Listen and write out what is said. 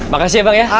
makasih ya bang ya